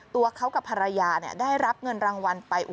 ตัวเขากับภรรยาได้รับเงินรางวัลไป